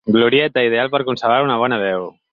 Glorieta ideal per conservar una bona veu.